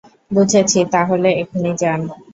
বুঝেছি, তা হলে এখনই যান!